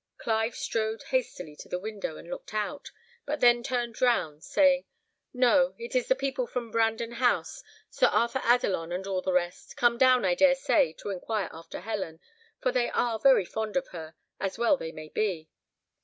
Clive strode hastily to the window, and looked out, but then turned round, saying, "No, it is the people from Brandon House Sir Arthur Adelon and all the rest come down, I dare say, to inquire after Helen, for they are very fond of her, as well they may be."